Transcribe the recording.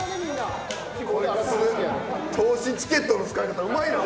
透視チケットの使い方うまいな！